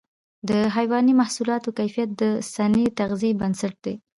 د حيواني محصولاتو کیفیت د صحي تغذیې بنسټ دی.